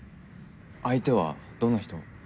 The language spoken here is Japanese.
相手はどんな人？